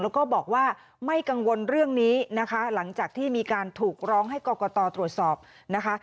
แล้วก็บอกว่าไม่กังวลเรื่องนี้นะคะหลังจากที่มีการถูกร้องให้กรกตตรวจสอบนะคะ